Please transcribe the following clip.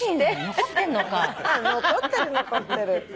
残ってる残ってる。